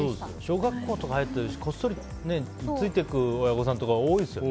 小学校とか入るとこっそりついていく親御さんとか多いですよね。